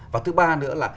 và thứ ba nữa là